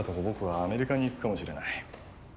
僕はアメリカに行くかもしれない。